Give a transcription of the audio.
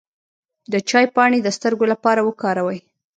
د چای پاڼې د سترګو لپاره وکاروئ